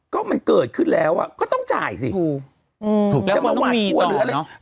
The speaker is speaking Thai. ก็มันเกิดขึ้นแล้วอ่ะก็ต้องจ่ายสิถูกแล้วมันต้องมีต่อหรืออะไร